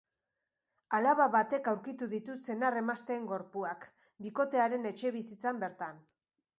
Alaba batek aurkitu ditu senar-emazteen gorpuak, bikotearen etxebizitzan bertan.